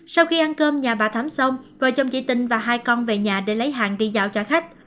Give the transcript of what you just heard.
sau khi ăn cơm nhà bà thắm xong vợ chồng chị tinh và hai con về nhà để lấy hàng đi dạo cho khách